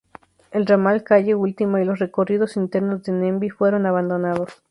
El ramal Calle Última y los recorridos internos de Ñemby fueron abandonados.